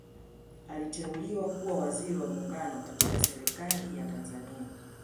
aliteuliwa kuwa waziri wa muungano katika serikali ya tanzania